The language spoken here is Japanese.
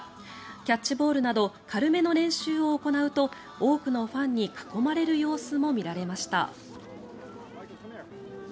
キャッチボールなど軽めの練習を行うと多くのファンに囲まれる様子も見られました。